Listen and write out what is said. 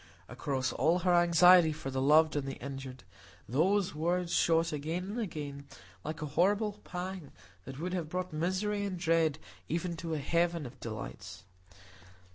Across all her anxiety for the loved and the injured, those words shot again and again, like a horrible pang that would have brought misery and dread even into a heaven of delights.